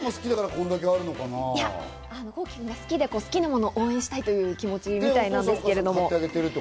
こうきくんが好きで、好きなものを応援したいという気持ちみたいなんですけど。